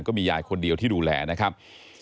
ก็มียายคนเดียวที่ดูแลนะครับ